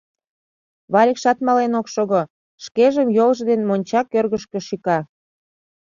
Валикшат мален ок шого, шкенжым йолжо дене монча кӧргышкӧ шӱка.